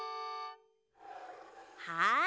はい。